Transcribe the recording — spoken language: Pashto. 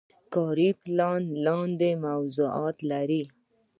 کاري پلان لاندې موضوعات لري.